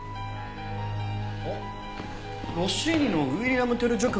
あっロッシーニの『ウィリアム・テル序曲』。